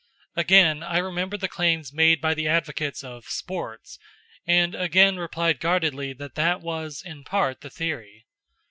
Again I remembered the claims made by the advocates of "sports," and again replied guardedly that that was, in part, the theory.